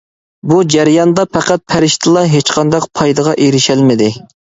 بۇ جەرياندا پەقەت پەرىشتىلا ھېچقانداق پايدىغا ئېرىشەلمىدى.